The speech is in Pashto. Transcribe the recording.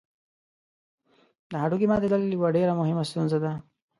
د هډوکي ماتېدل یوه ډېره مهمه ستونزه ده.